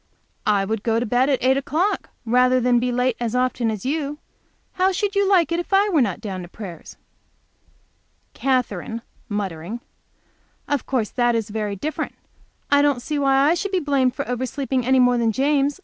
"I would go to bed at eight o'clock rather than be late as often as you. How should you like it if I were not down to prayers?" Katherine, muttering. "Of course that is very different. I don't see why I should be blamed for oversleeping any more than James.